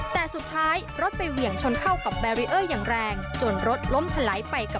ในการเปิดเบรียร์จะยังดูดอีกหลัก